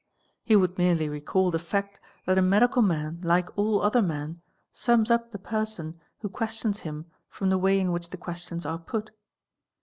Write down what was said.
He would merely recall the fact that a medical — man, like all other men, sums up the person who questions him from the way in which the questions are put.